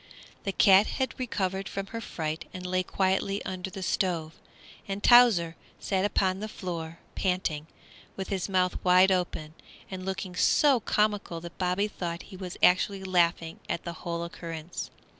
The cat had recovered from her fright and lay quietly under the stove, and Towser sat upon the floor panting, with his mouth wide open, and looking so comical that Bobby thought he was actually laughing at the whole occurrence.